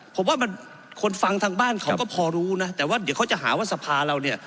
ผมว่ามันคนฟังทางบ้านเขาก็พอรู้นะแต่ว่าเดี๋ยวเขาจะหาว่าสภาเราเนี่ย